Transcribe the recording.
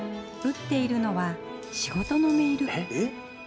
打っているのは仕事のメール。